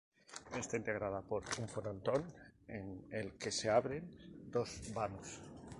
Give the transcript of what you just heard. Está integrada por un frontón, en el que se abren dos vanos.